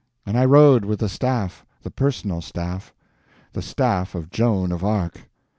And I rode with the staff—the personal staff—the staff of Joan of Arc.